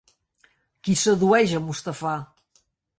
Qui sedueix a Mustafà?